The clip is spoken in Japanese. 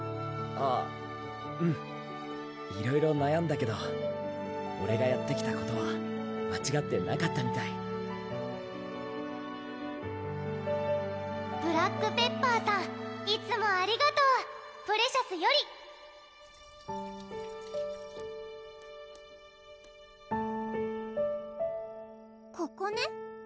あぁうんいろいろなやんだけどオレがやってきたことは間違ってなかったみたいブラックペッパーさんいつもありがとうここね？